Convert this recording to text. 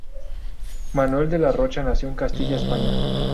Manuel de la Rocha nació en Castilla, España.